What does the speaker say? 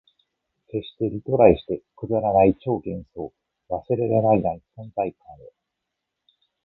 消して、リライトして、くだらない超幻想、忘れらない存在感を